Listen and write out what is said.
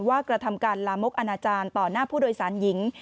กระทำการลามกอนาจารย์ต่อหน้าผู้โดยสารหญิง